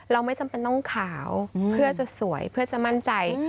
ไม่จำเป็นต้องขาวเพื่อจะสวยเพื่อจะมั่นใจ